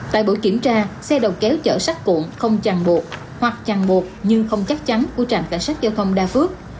tại buổi kiểm tra xe đầu kéo chở sắt cuộn không chằn buộc hoặc chằn buộc nhưng không chắc chắn của trạm cảnh sát giao thông đa phước